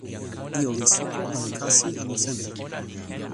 ijo li soko anu kasi anu seme?